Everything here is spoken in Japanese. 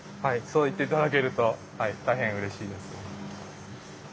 そう言って頂けると大変うれしいです。